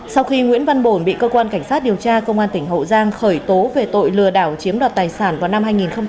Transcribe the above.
sau khi nguyễn văn bồn bị cơ quan cảnh sát điều tra công an tỉnh hậu giang khởi tố về tội lừa đảo chiếm đoạt tài sản vào năm hai nghìn một mươi